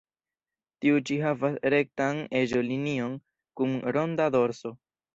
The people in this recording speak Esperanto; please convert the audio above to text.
Tio ĉi havas rektan eĝo-linion kun ronda dorso.